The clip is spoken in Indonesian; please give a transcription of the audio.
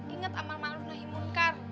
ingat amal amal runaimunkar